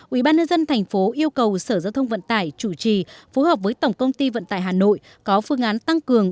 ubnd tp yêu cầu sở giao thông vận tải chủ trì phối hợp với tổng công ty vận tải hà nội có phương án tăng cường